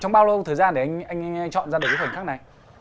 trong bao lâu thời gian để anh chọn ra được cái bức ảnh khác này